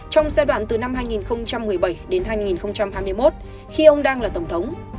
trong giai đoạn từ năm hai nghìn một mươi bảy đến hai nghìn hai mươi một khi ông đang là tổng thống